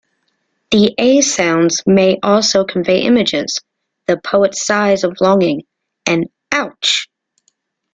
The "a" sounds may also convey images: the poet's sighs of longing; an "ouch!